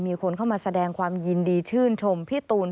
มีคนเข้ามาแสดงความยินดีชื่นชมพี่ตูน